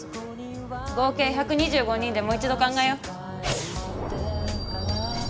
合計１２５人でもう一度考えよう。